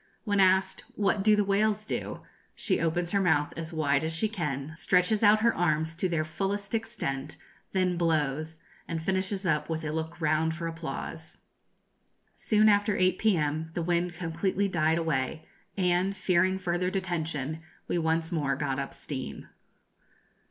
When asked, 'What do the whales do?' she opens her mouth as wide as she can, stretches out her arms to their fullest extent, then blows, and finishes up with a look round for applause. Soon after 8 p.m. the wind completely died away, and, fearing further detention, we once more got up steam.